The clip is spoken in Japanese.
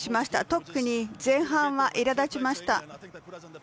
特に前半はいらだちました。